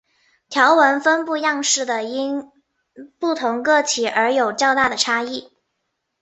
条纹分布样式的因不同个体而有较大的差异。